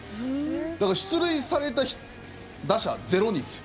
だから、出塁された打者０人ですよ。